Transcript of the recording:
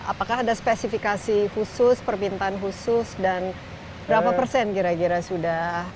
apakah ada spesifikasi khusus permintaan khusus dan berapa persen kira kira sudah